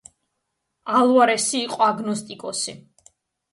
ალვარესი იყო აგნოსტიკოსი.